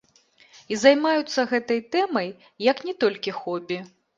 І займаюцца гэтай тэмай як не толькі хобі.